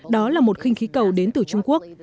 đó là một khinh khí cầu đến từ trung quốc